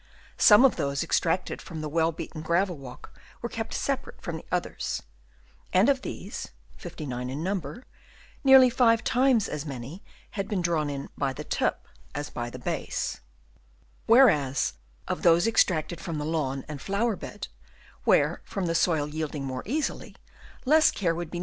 Some of those extracted from the well beaten gravel walk were kept separate from the others; and of these (59 in number) nearly five times as many had been drawn in by the tip as by the base ; whereas of those extracted from the lawn and flower bed, where from the soil yielding more easily, less care would be Chap. II. THEIR INTELLIGENCE.